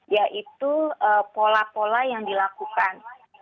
yaitu pola pola yang dilakukan